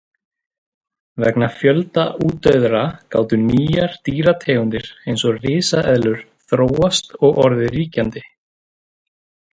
Vegna fjölda útdauðra gátu nýjar dýrategundir eins og risaeðlur þróast og orðið ríkjandi.